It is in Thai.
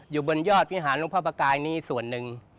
อยู่บนยอดพิหารลงพระปากายนี่ส่วนหนึ่ง